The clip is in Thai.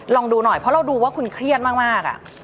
ลองดูหน่อยเพราะเราดูว่าคุณเครียดมาก